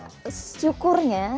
syukurnya kelihatan gitu ya